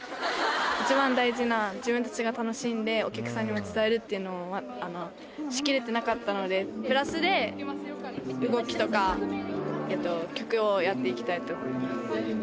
一番大事な自分たちが楽しんで、お客さんにも伝えるっていうのを、しきれてなかったので、プラスで、動きとか、曲をやっていきたいと思います。